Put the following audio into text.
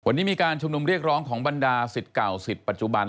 วันนี้มีการชุมนุมเรียกร้องของบรรดาสิทธิ์เก่าสิทธิ์ปัจจุบัน